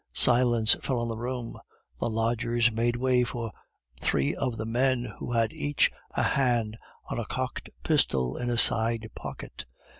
Silence fell on the room. The lodgers made way for three of the men, who had each a hand on a cocked pistol in a side pocket.